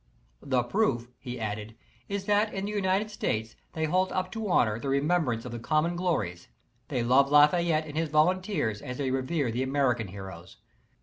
The proof, he added, is that in the United States they hold up to honor the remembrance of the common glories, they love Lafayette and his volunteers as they revere the American heroes.